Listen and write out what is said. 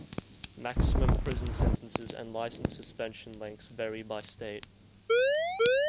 Maximum prison sentences and licence suspension lengths vary by state.